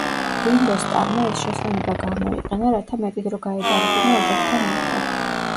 რინგო სტარმა ეს შესვენება გამოიყენა, რათა მეტი დრო გაეტარებინა ოჯახთან ერთად.